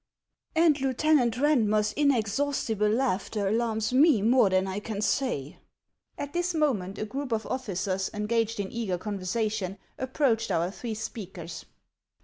" And Lieutenant Raudmer's inexhaustible laughter alarms me more than I can say." At this moment a group of officers, engaged in eager conversation, approached our three speakers.